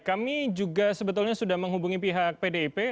kami juga sebetulnya sudah menghubungi pihak pdip